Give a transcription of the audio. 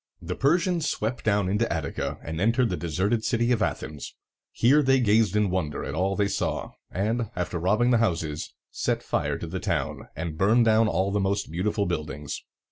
The Persians swept down into Attica, and entered the deserted city of Athens. Here they gazed in wonder at all they saw, and, after robbing the houses, set fire to the town, and burned down all the most beautiful buildings.